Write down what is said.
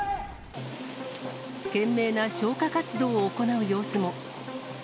懸命な消火活動を行う様子も。